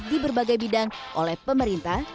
di berbagai bidang oleh pemerintah